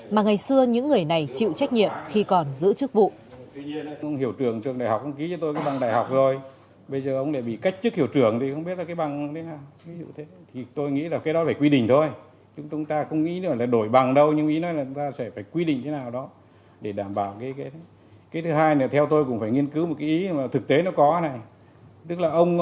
mà ngày xưa những người này chịu trách nhiệm khi còn giữ chức vụ